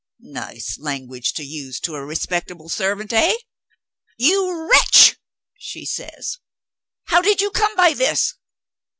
nice language to use to a respectable servant, eh? "You wretch" (she says), "how did you come by this?"